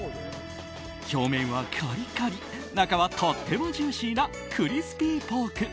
表面はカリカリ中はとってもジューシーなクリスピーポーク。